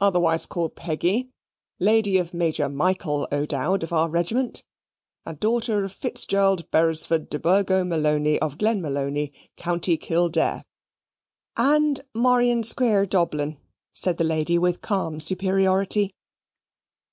"Otherwise called Peggy, lady of Major Michael O'Dowd, of our regiment, and daughter of Fitzjurld Ber'sford de Burgo Malony of Glenmalony, County Kildare." "And Muryan Squeer, Doblin," said the lady with calm superiority.